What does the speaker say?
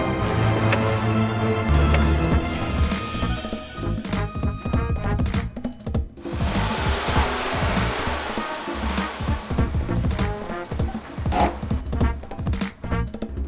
terima kasih pak joko